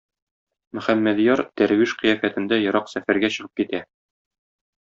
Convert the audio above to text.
Мөхәммәдъяр дәрвиш кыяфәтендә ерак сәфәргә чыгып китә.